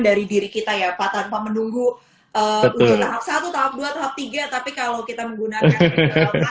dari diri kita ya pak tanpa menunggu tahap satu tahap dua tahap tiga tapi kalau kita menggunakan